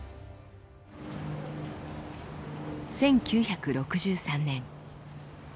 １９６３年。